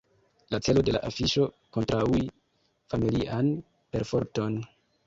La celo de la afiŝo: kontraŭi familian perforton.